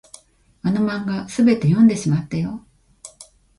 あの漫画、すべて読んでしまったよ。